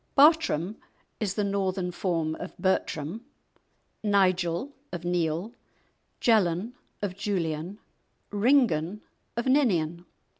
"Barthram" is the northern form of "Bertram," "Nigel" of "Neil," "Jellon" of "Julian," "Ringan" of "Ninian."